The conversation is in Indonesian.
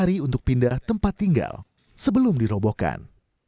dan dapat tujuh hari untuk pindah tempat tinggal sebelum dirobohkan